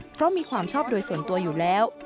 เพราะมีความชอบโดยส่วนตัวอยู่แล้ว